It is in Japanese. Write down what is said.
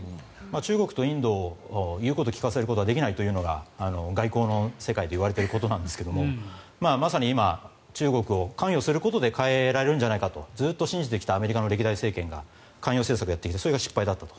中国とインドに言うことを聞かせることができないというのが外交の世界で言われていることなんですがまさに今、中国を関与することで変えられるんじゃないかとずっと信じてきたアメリカの歴代政権が関与政策をやってきてそれが失敗だったと。